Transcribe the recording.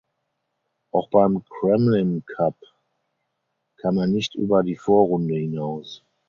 Auch beim Kremlin Cup kam er nicht über die Vorrunde hinaus.